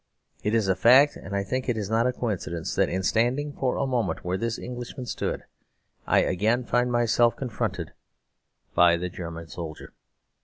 It is a fact, and I think it is not a coincidence, that in standing for a moment where this Englishman stood, I again find myself confronted by the German soldier.